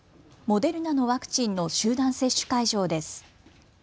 モデルナのワクチンの集団接種会場です。